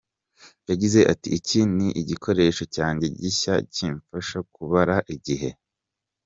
Yagize ati “iki ni igikoresho cyanjye gishya kimfasha kubara igihe.